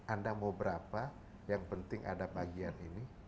anda mau berapa yang penting ada bagian ini